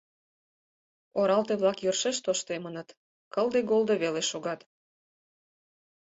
Оралте-влак йӧршеш тоштемыныт, кылде-голдо веле шогат.